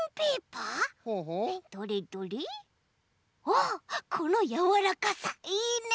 おっこのやわらかさいいね！